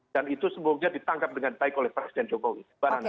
dan itu semoga ditangkap dengan baik oleh presiden jokowi